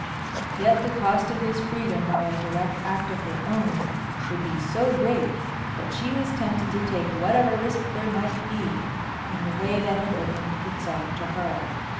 Yet the cost of his freedom by a direct act of her own would be so great that she was tempted to take whatever risk there might be in the way that had opened itself to her.